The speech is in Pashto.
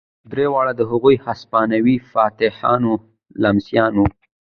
درې واړه د هغو هسپانوي فاتحانو لمسیان وو.